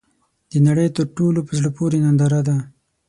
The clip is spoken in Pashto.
د نړۍ تر ټولو ، په زړه پورې ننداره ده .